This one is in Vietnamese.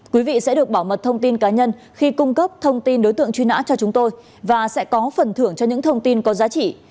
quý vị sẽ được bảo mật thông tin cá nhân khi cung cấp thông tin đối tượng truy nã cho chúng tôi và sẽ có phần thưởng cho những thông tin có giá trị